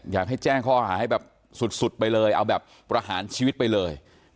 อยากให้แจ้งข้อหาให้แบบสุดไปเลยเอาแบบประหารชีวิตไปเลย